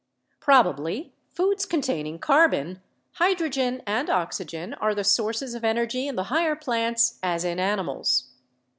Probably foods containing carbon, hydrogen and oxygen are the sources of energy in the higher plants as in ani mals.